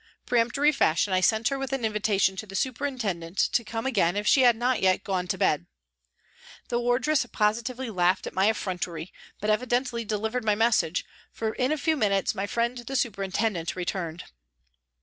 Peremptory fashion, I sent her with an invitation to the superintendent to come again if she had not yet gone to bed. The wardress positively laughed at my effrontery, but evidently delivered my message, for in a few minutes my friend the superintendent returned.